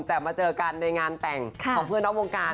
แต่มาเจอกันในงานแต่งของเพื่อนนอกวงการ